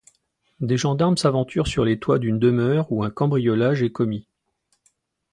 Des gendarmes s’aventurent sur les toits d’une demeure où un cambriolage est commis.